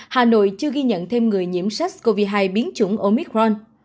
hà nội chưa ghi nhận thêm người nhiễm sars cov hai biến chủng omicron